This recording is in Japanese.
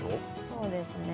そうですね